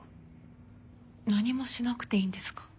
何もしなくていいんですか？